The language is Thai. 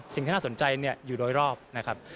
สิ่งที่น่าสนใจอยู่โดยรอบนะครับ